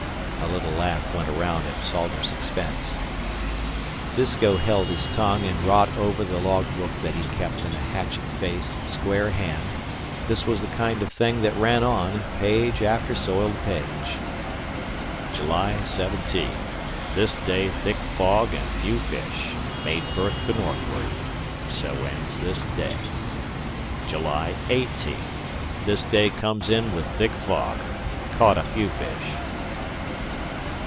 A little laugh went round at Salters's expense. Disko held his tongue, and wrought over the log book that he kept in a hatchet faced, square hand; this was the kind of thing that ran on, page after soiled page: "July 17. This day thick fog and few fish. Made berth to northward. So ends this day. "July 18. This day comes in with thick fog. Caught a few fish.